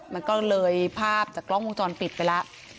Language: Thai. มันก็เลยภาพจากกล้องวงจรปิดไปแล้ว